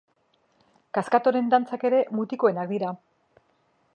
Kaskaroten dantzak ere mutikoenak dira.